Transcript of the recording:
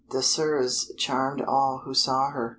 Désirs charmed all who saw her.